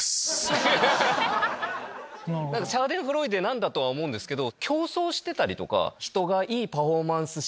シャーデンフロイデなんだとは思うんですけど。